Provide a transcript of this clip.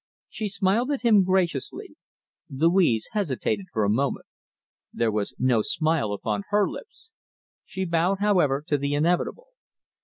She smiled at him graciously. Louise hesitated for a moment. There was no smile upon her lips. She bowed, however, to the inevitable.